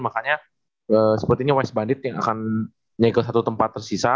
makanya sepertinya west bandit yang akan naik ke satu tempat tersisa